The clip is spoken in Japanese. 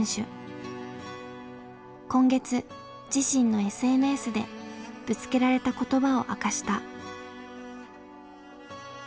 今月自身のＳＮＳでぶつけられた言葉を明かした。